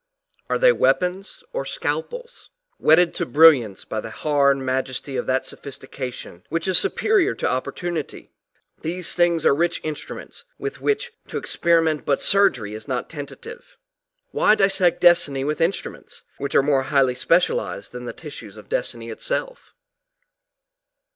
Are they weapons or scalpels? Whetted to brilliance by the hard majesty of that sophistication which is su perior to opportunity, these things are rich instruments with which to experiment but surgery is not tentative: why dissect destiny with instruments which are more highly specialized than the tissues of destiny itself?